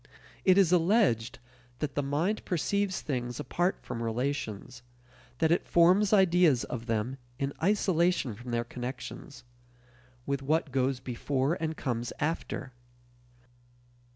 It is alleged that the mind perceives things apart from relations; that it forms ideas of them in isolation from their connections with what goes before and comes after.